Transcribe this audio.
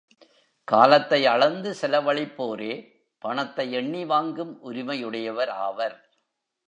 காலத்தை அளந்து செலவழிப்போரே பணத்தை எண்ணி வாங்கும் உரிமையுடையவர் ஆவர்.